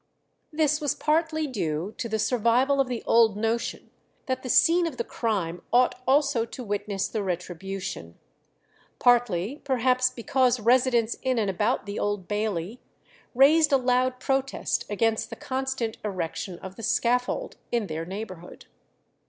This was partly due to the survival of the old notion that the scene of the crime ought also to witness the retribution; partly perhaps because residents in and about the Old Bailey raised a loud protest against the constant erection of the scaffold in their neighbourhood.